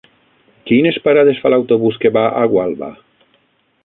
Quines parades fa l'autobús que va a Gualba?